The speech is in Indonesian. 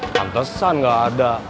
tantesan gak ada